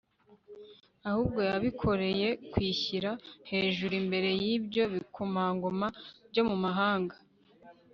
ahubwo yabikoreye kwishyira hejuru imbere y'ibyo bikomangoma byo mu mahanga